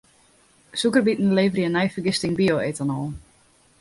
Sûkerbiten leverje nei fergisting bio-etanol.